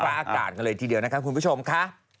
อากาศกันเลยทีเดียวนะคะคุณผู้ชมค่ะ